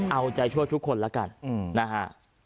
เอาใจช่วยทุกคนแล้วกันนะฮะ